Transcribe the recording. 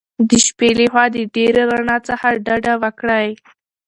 د شپې له خوا د ډېرې رڼا څخه ډډه وکړئ.